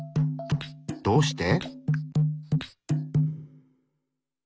どうして？